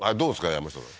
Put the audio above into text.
山下さん